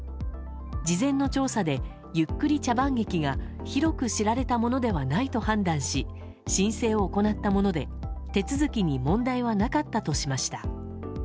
事前の調査で、ゆっくり茶番劇が広く知られたものではないと判断し申請を行ったもので、手続きに問題はなかったとしました。